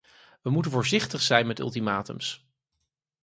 We moeten voorzichtig zijn met ultimatums.